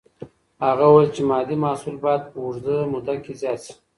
هغه وویل چی مادي محصول باید په اوږده موده کي زیات سي.